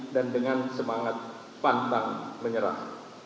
dan dengan semangat pantang menyerah